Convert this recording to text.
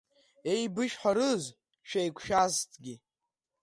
Еибышәҳәарыз шәеиқәшәазҭгьы?